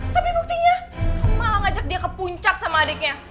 tapi buktinya kamu malah ngajak dia ke puncak sama adiknya